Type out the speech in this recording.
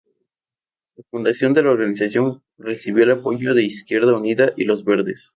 La fundación de la organización recibió el apoyo de Izquierda Unida y Los Verdes.